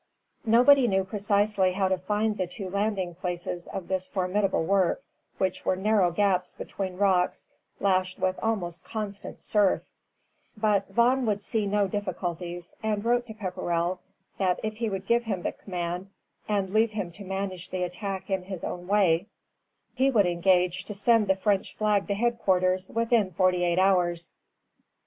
Nobody knew precisely how to find the two landing places of this formidable work, which were narrow gaps between rocks lashed with almost constant surf; but Vaughan would see no difficulties, and wrote to Pepperrell that if he would give him the command and leave him to manage the attack in his own way, he would engage to send the French flag to headquarters within forty eight hours.